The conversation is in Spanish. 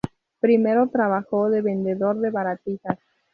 Primero trabajó de vendedor de baratijas.